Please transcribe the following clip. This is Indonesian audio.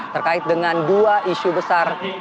terkait dengan dua isu besar